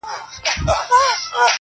o غل پسي اخله ، نو نه تر کوره!